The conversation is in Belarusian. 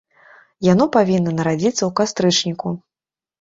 Яно павінна нарадзіцца ў кастрычніку.